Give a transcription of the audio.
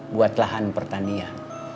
buat lahan pertanian